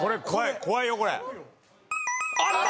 怖いよこれ。